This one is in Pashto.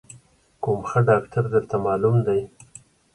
کوم ښه ډاکتر درته معلوم دی؟